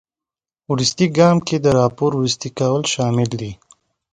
وروستي ګام کې د راپور وروستي کول شامل دي.